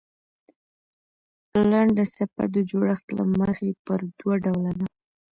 لنډه څپه د جوړښت له مخه پر دوه ډوله ده.